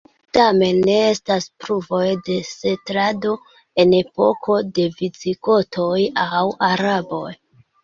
Tamen ne estas pruvoj de setlado en epoko de visigotoj aŭ araboj.